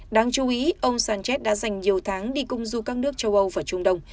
đáng chú ý ông sánchez đã dành nhiều tháng đi công du các nước châu âu và trung đông